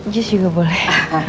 jus juga boleh